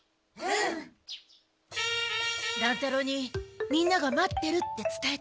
乱太郎にみんなが待ってるってつたえて。